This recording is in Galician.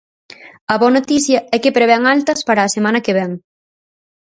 A boa noticia é que prevén altas para a semana que vén.